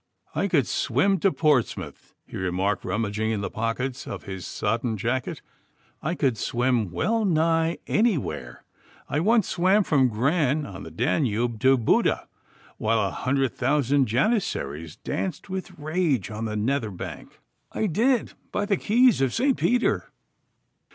'I could swim to Portsmouth,' he remarked, rummaging in the pockets of his sodden jacket; 'I could swim well nigh anywhere. I once swam from Gran on the Danube to Buda, while a hundred thousand Janissaries danced with rage on the nether bank. I did, by the keys of St. Peter!